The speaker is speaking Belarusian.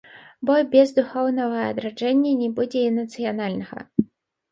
Бо без духоўнага адраджэння не будзе і нацыянальнага.